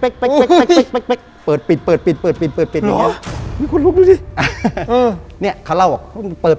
เป๊ะเป๊ะเป๊ะเป๊ะเป๊ะเป๊ะเป๊ะเป๊ะเป๊ะเป๊ะเป๊ะเป๊ะเป๊ะเป๊ะ